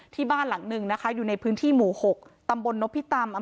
ที่บ้านหลังหนึ่งนะคะอยู่ในพื้นที่หมู่๖ตำบลนพิตำ